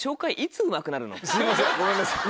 すいませんごめんなさい。